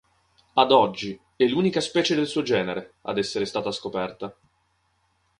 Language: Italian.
Ad oggi è l'unica specie del suo genere ad essere stata scoperta.